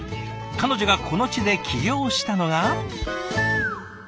彼女がこの地で起業したのが。